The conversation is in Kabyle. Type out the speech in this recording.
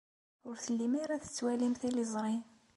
Ur tellim ara tettwalim tiliẓri.